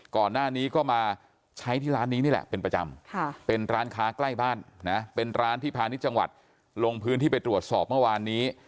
ก่อนหน้านี้ก็มาใช้ที่ร้านนี้นี่แหละเป็นประจำเป็นร้านค้าใกล้บ้านนะเป็นร้านที่พาณิชย์จังหวัดลงพื้นที่ไปตรวจสอบเมื่อวานนี้